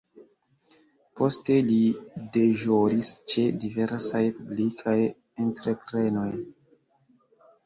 Poste li deĵoris ĉe diversaj publikaj entreprenoj.